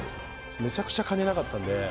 めちゃくちゃ金なかったんで。